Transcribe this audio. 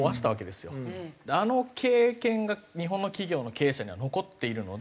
あの経験が日本の企業の経営者には残っているので。